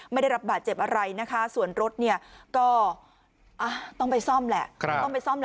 ไม่ได้รับบาดเจ็บอะไรนะคะส่วนรถเนี่ยก็ต้องไปซ่อมแหละ